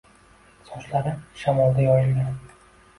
Sochlari shamolda yoyilgan